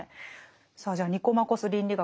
さあじゃあ「ニコマコス倫理学」